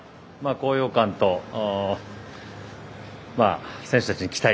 高揚感と選手たちに期待。